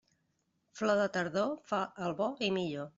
Flor de tardor fa el bo i millor.